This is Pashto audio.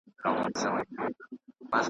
لکه ږغ په شنو درو کي د شپېلیو .